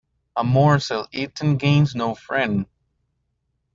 A morsel eaten gains no friend.